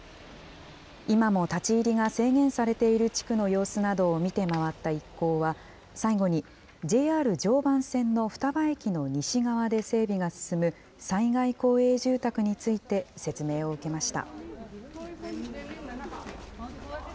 今も立ち入りが制限されている地区の様子などを見て回った一行は、最後にＪＲ常磐線の双葉駅の西側で整備が進む、災害公営住宅について説明を受けました。